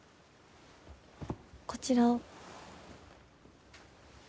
こちらを。